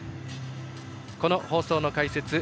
この放送の解説